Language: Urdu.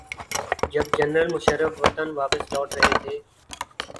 جب جنرل مشرف وطن واپس لوٹ رہے تھے۔